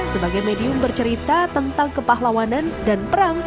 sebagai medium bercerita tentang kepahlawanan dan perang